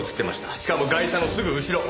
しかもガイシャのすぐ後ろ。